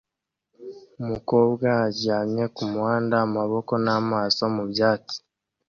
Umukobwa aryamye kumuhanda amaboko n'amaso mubyatsi